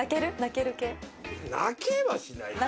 泣けはしない。